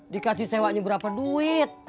dikasih sewanya berapa duit